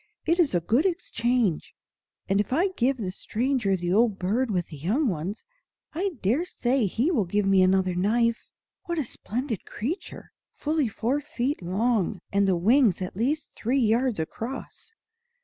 "It is a good exchange; and if I give the stranger the old bird with the young ones, I dare say he will give me another knife. What a splendid creature! Fully four feet long, and the wings at least three yards across.